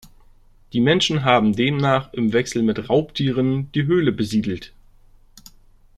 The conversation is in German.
Die Menschen haben demnach im Wechsel mit Raubtieren die Höhle besiedelt.